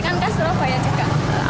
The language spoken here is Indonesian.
kan kan surabaya juga